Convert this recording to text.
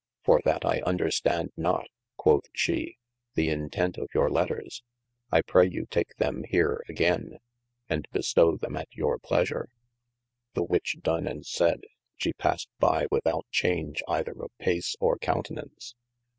For that I understand not (quoth she) the intent of your letters, I pray you ' take them here againe, and bestow them at your pleasure. The which done and sayde, shee passed by withoute change either of pace or countenaunce.